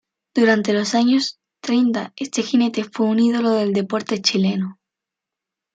Durante los años treinta este jinete fue un ídolo del deporte chileno.